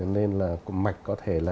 nên là mạch có thể là